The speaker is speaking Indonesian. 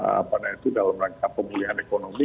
apalagi itu dalam rangka pemulihan ekonomi